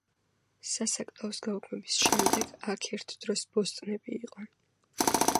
სასაკლაოს გაუქმების შემდეგ აქ ერთ დროს ბოსტნები იყო.